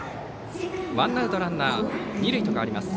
ワンアウトランナー、二塁です。